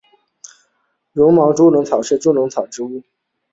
柔毛猪笼草是婆罗洲加里曼丹特有的热带食虫植物。